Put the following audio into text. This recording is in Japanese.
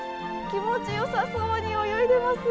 気持ちよさそうに泳いでます。